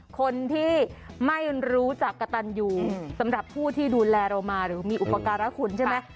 คนที่ไม่รู้จักกระตันอยู่สำหรับผู้ที่ดูแลเรามาหรือมีอุปการะคุณใช่ไหม